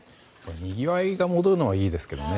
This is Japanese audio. にぎわいが戻るのはいいですけどね。